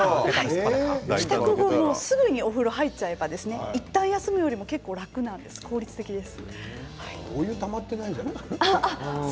帰宅後すぐにお風呂に入ってしまえば一回休むよりも結構楽なんです、効率的です。